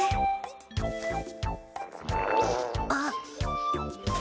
あっ。